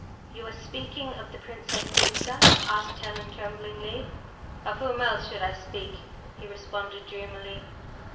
"You are speaking of the Princess Ziska?" asked Helen, tremblingly. "Of whom else should I speak?" he responded, dreamily.